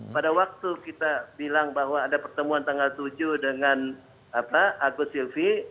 pada waktu kita bilang bahwa ada pertemuan tanggal tujuh dengan agus silvi